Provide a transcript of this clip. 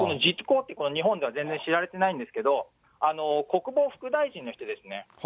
日本では全然知られてないんですけど、国防副大臣の人ですね。